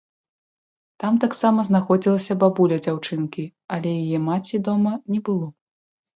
Там таксама знаходзілася бабуля дзяўчынкі, але яе маці дома не было.